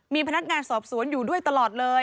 มีพนักงานสอบสวนอยู่ด้วยตลอดเลย